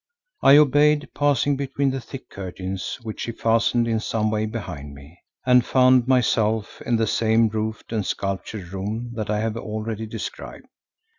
I obeyed, passing between the thick curtains which she fastened in some way behind me, and found myself in the same roofed and sculptured room that I have already described.